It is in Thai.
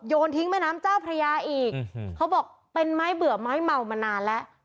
ทิ้งแม่น้ำเจ้าพระยาอีกเขาบอกเป็นไม้เบื่อไม้เมามานานแล้ว